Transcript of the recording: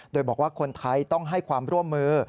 โดยบอกว่าคนไทยต้องให้ความร่วมมือ